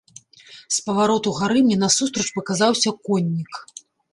З павароту гары мне насустрач паказаўся коннік.